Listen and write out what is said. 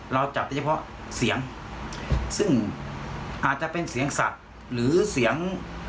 เราจัดเฉพาะเสียงซึ่งอาจจะเป็นเสียงสัตว์หรือเสียง